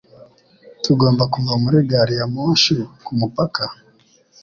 Tugomba kuva muri gari ya moshi kumupaka?